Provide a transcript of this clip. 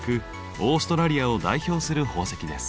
オーストラリアを代表する宝石です。